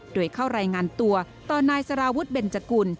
โดยเข้ารายงานตัวต่อนายสารวุฒิเบนจกุล